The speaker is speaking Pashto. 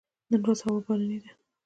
نن ورځ هوا باراني ده